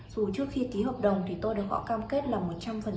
dù trước khi ký hợp đồng thì tôi đã gọi cam kết là một trăm linh đậu